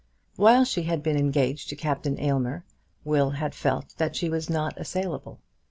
While she had been engaged to Captain Aylmer, Will had felt that she was not assailable.